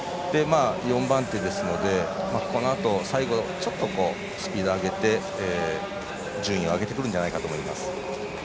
４番手ですので最後、ちょっとスピードを上げて順位を上げてくるんじゃないかと思います。